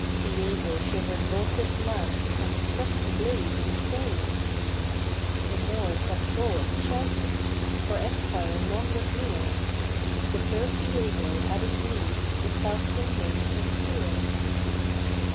Diego shivered both his lance and trusty blade in twain; The Moors that saw it shouted, for esquire none was near, To serve Diego at his need with falchion, mace, or spear.